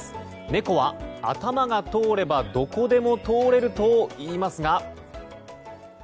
猫は頭が通ればどこでも通れるといいますが。